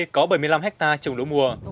có bảy mươi năm hectare trồng lúa mùa